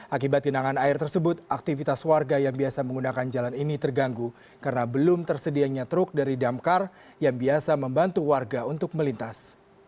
akibat genangan air tersebut aktivitas warga yang biasa menggunakan jalan ini terganggu karena belum tersedianya truk dari damkar yang biasa membantu warga untuk melintas